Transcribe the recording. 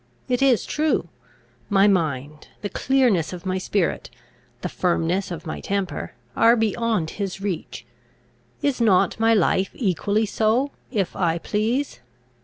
It is true: my mind, the clearness of my spirit, the firmness of my temper, are beyond his reach; is not my life equally so, if I please?